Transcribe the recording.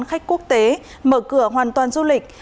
khách quốc tế mở cửa hoàn toàn du lịch